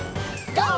ＧＯ！